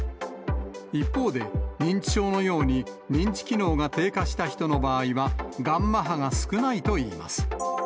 一方で、認知症のように認知機能が低下した人の場合は、ガンマ波が少ないといいます。